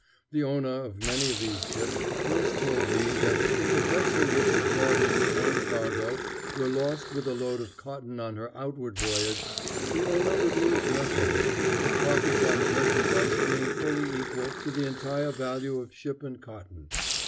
The owner of many of these ships once told me that if a vessel which had brought in one cargo were lost with a load of cotton on her outward voyage, the owner would lose nothing, the profits on the merchandise being fully equal to the entire value of ship and cotton.